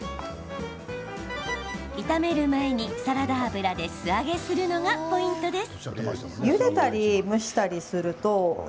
炒める前にサラダ油で素揚げするのがポイントです。